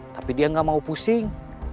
tapi dia nggak mau pusing